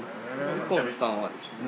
右近さんはですね